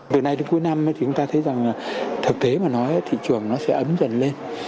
từ nay đến cuối năm chúng ta thấy rằng thực tế mà nói thị trường nó sẽ ấm dần lên